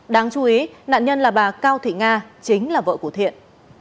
đáng chú ý nạn nhân là bà cao thị nga chính là vợ của thiện